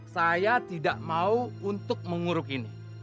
saya tidak mau untuk menguruk ini